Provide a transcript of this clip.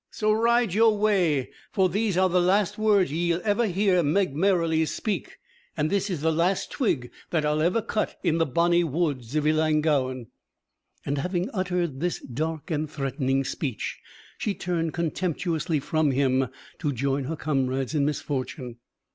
So ride your way, for these are the last words ye'll ever hear Meg Merrilies speak, and this is the last twig that I'll ever cut in the bonny woods of Ellangowan." And having uttered this dark and threatening speech, she turned contemptuously from him, to join her comrades in misfortune.